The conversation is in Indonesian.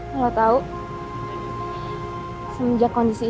bel sejuk kepala